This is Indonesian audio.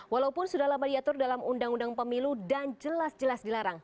walaupun sudah lama diatur dalam undang undang pemilu dan jelas jelas dilarang